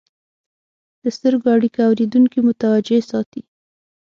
د سترګو اړیکه اورېدونکي متوجه ساتي.